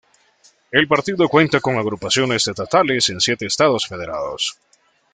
El partido cuenta con agrupaciones estatales en siete estados federados.